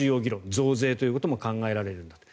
増税ということも考えられるんだと。